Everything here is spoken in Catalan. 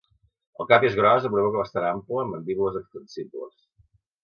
El cap és gros amb una boca bastant ampla amb mandíbules extensibles.